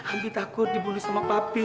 api takut dibunuh sama papi